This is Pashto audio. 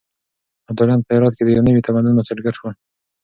ابداليان په هرات کې د يو نوي تمدن بنسټګر شول.